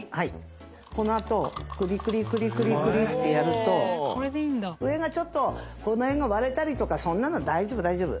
このあとクリクリクリクリクリってやると上がちょっとこの辺が割れたりとかそんなのは大丈夫大丈夫。